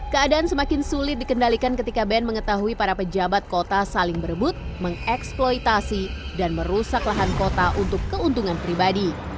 keadaan semakin sulit dikendalikan ketika band mengetahui para pejabat kota saling berebut mengeksploitasi dan merusak lahan kota untuk keuntungan pribadi